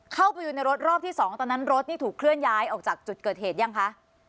เข้าไปอยู่ในรถรอบที่๒ตอนนั้นรถนี่ถูกเคลื่อนย้ายออกจากจุดเกิดเหตุยังคะ